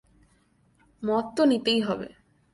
মত তো নিতেই হবে।